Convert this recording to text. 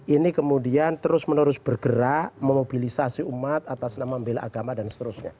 ini kemudian terus menerus bergerak memobilisasi umat atas nama membela agama dan seterusnya